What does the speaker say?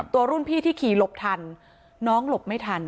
รุ่นพี่ที่ขี่หลบทันน้องหลบไม่ทัน